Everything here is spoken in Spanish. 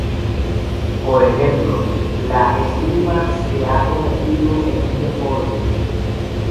Por ejemplo, la esgrima se ha convertido en un deporte.